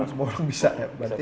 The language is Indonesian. semua orang bisa ya badannya